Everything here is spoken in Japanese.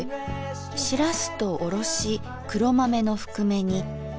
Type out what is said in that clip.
しらすとおろし黒豆のふくめ煮。